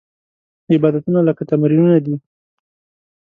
عبادتونه لکه تمرینونه دي.